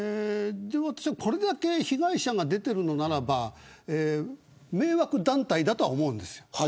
これだけ被害者が出ているならば迷惑団体だとは思うんです。